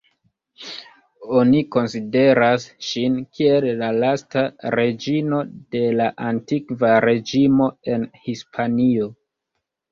Oni konsideras ŝin kiel la lasta reĝino de la Antikva Reĝimo en Hispanio.